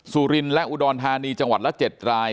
สุรินและอุดรธานีจังหวัดละ๗ราย